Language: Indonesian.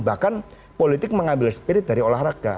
bahkan politik mengambil spirit dari olahraga